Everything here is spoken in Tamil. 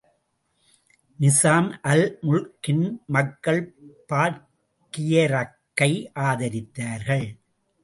நிசாம் அல் முல்க்கின் மக்கள் பார்க்கியருக்கை ஆதரித்தார்கள்.